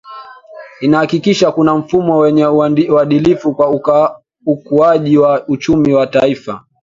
inahakikisha kuna mfumo wenye uadilifu kwa ukuaji wa uchumi wa taifa